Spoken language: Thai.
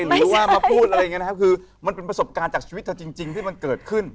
หรือว่ามาพูดอะไรอย่างนี้นะครับคือมันเป็นประสบการณ์จากชีวิตเธอจริงที่มันเกิดขึ้น